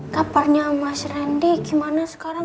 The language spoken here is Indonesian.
kaparnya mas rendy gimana sekarang